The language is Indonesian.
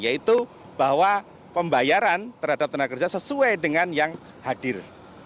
yaitu bahwa pembayaran terhadap tenaga kerja sesuai dengan yang hadir